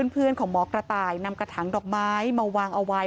เพื่อนของหมอกระต่ายนำกระถังดอกไม้มาวางเอาไว้